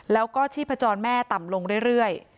แล้วก็ชีพจรแม่ต่ำลงเรื่อย